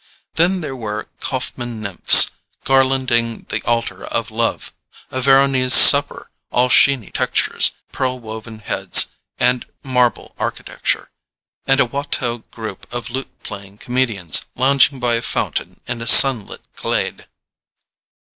Then there were Kauffmann nymphs garlanding the altar of Love; a Veronese supper, all sheeny textures, pearl woven heads and marble architecture; and a Watteau group of lute playing comedians, lounging by a fountain in a sunlit glade.